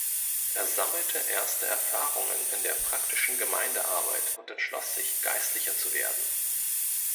Er sammelte erste Erfahrungen in der praktischen Gemeindearbeit und entschloss sich, Geistlicher zu werden.